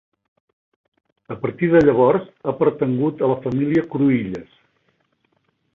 A partir de llavors ha pertangut a la família Cruïlles.